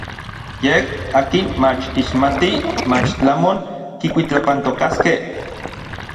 Yej n akin mach kixmatij mach tlamon kikuitlapantokaskej.